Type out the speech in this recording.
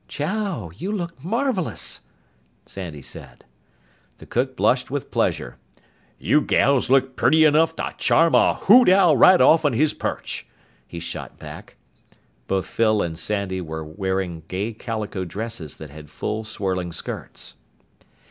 "Chow! You look marvelous!" Sandy said. The cook blushed with pleasure. "You gals look purty enough to charm a hoot owl right off'n his perch!" he shot back. Both Phyl and Sandy were wearing gay calico dresses that had full swirling skirts.